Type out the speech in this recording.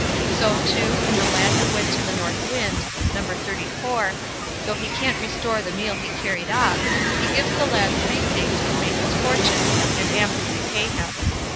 So, too, in "The Lad who went to the North Wind", No. xxxiv, though he can't restore the meal he carried off, he gives the lad three things which make his fortune, and amply repay him.